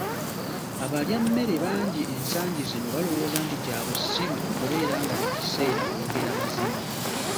Abalyammere bangi ensangi zino balowooza nti kya bussiru okubeera nga buli kiseera oyogera mazima.